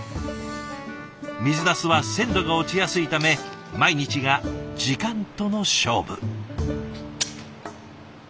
水なすは鮮度が落ちやすいため毎日が時間との勝負。